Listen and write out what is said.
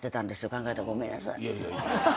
考えたらごめんなさい。